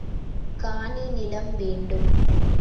காணி நிலம் வேண்டும்.